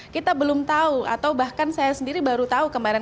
kita belum tahu atau bahkan saya sendiri baru tahu kemarin